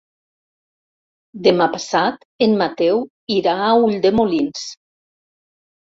Demà passat en Mateu irà a Ulldemolins.